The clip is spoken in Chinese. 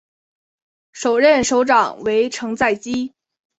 首任首长为成在基。